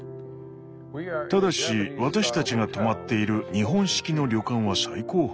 ただし私たちが泊まっている日本式の旅館は最高。